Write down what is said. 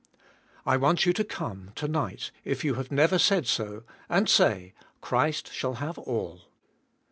I want you to come, to nig ht, if you have never said so, and say, * 'Christ shall have all."